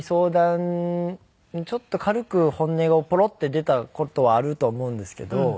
ちょっと軽く本音をポロッて出た事はあると思うんですけど。